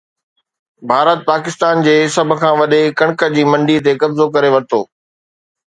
ڀارت پاڪستان جي سڀ کان وڏي ڪڻڪ جي منڊي تي قبضو ڪري ورتو